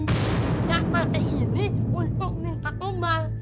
datang ke sini untuk minta tombal